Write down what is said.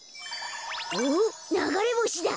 おっながれぼしだ。